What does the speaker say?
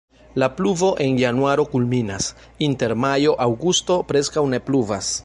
La pluvo en januaro kulminas, inter majo-aŭgusto preskaŭ ne pluvas.